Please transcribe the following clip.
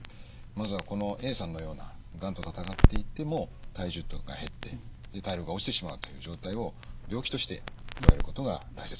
まずはこのＡさんのようながんと闘っていっても体重が減って体力が落ちてしまうという状態を病気としてとらえることが大切です。